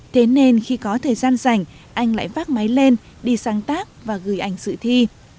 thế nên khi có thời gian rảnh anh lại vác máy lên đi sáng tác và gửi ảnh sự thi